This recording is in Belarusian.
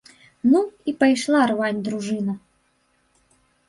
Ну, і пайшла рваць дружына!